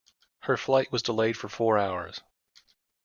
Her flight was delayed for four hours.